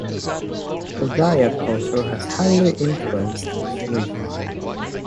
Odia culture has highly influenced this region.